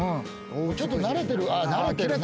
ちょっと慣れてる。